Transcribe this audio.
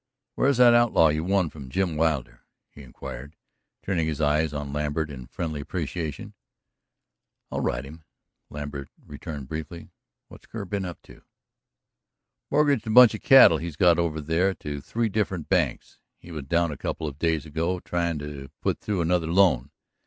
"Where's that outlaw you won from Jim Wilder?" he inquired, turning his eyes on Lambert in friendly appreciation. "I'll ride him," Lambert returned briefly. "What's Kerr been up to?" "Mortgaged a bunch of cattle he's got over there to three different banks. He was down a couple of days ago tryin' to put through another loan.